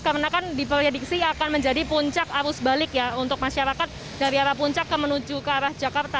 karena kan diperediksi akan menjadi puncak arus balik ya untuk masyarakat dari arah puncak menuju ke arah jakarta